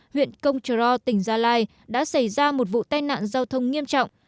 huyện công trờ ro tỉnh gia lai đã xảy ra một vụ tai nạn giao thông nghiêm trọng